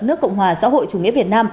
nước cộng hòa xã hội chủ nghĩa việt nam